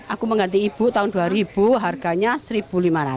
aku mengganti ibu tahun dua ribu harganya rp satu lima ratus